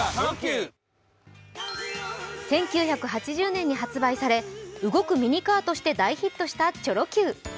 １９８０年に発売され、動くミニカーとして大ヒットしたチョロＱ。